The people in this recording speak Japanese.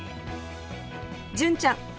純ちゃん